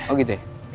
oh gitu ya